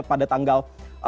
pada tanggal delapan belas